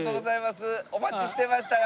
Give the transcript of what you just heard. お待ちしてましたよ。